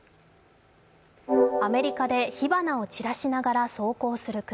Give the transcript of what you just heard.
アメリカで火花を散らしながら走行する車。